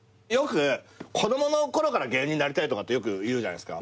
子供のころから芸人なりたいとかよく言うじゃないっすか。